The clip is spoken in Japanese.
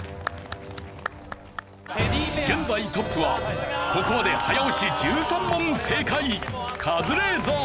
現在トップはここまで早押し１３問正解カズレーザー。